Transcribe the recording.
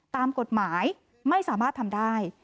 ตามกฎหมายไม่สามารถทำได้